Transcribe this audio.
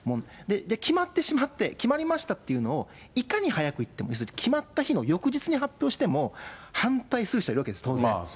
決まってしまって、決まりましたっていうのをいかに早く言って、決まった日の翌日に発表しても、反対する人はいるわけです、当然。